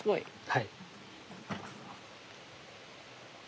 はい。